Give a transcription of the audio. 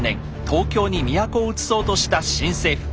東京に都をうつそうとした新政府。